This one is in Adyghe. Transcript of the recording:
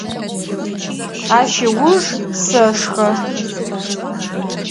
Aş ıujjım seşşxe.